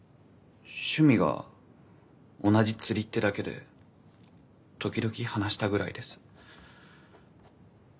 趣味が同じ釣りってだけで時々話したぐらいです。